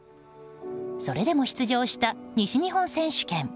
それでも出場した西日本選手権。